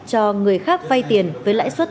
cho người khác vay tiền với lãi suất